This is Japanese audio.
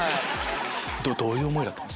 どういう思いだったの？